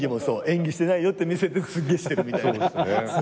演技してないよって見せてすっげえしてるみたいな。